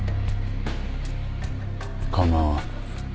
構わん。